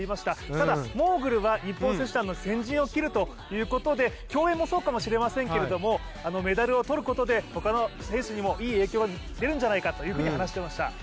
ただ、モーグルは日本選手団の先陣を切るということで競泳もそうかもしれませんけれどもメダルを取ることで他の選手にもいい影響が出るのではないかと話していました。